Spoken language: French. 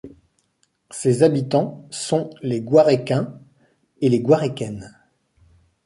Ses habitants sont les Gouarécains et les Gouarécaines.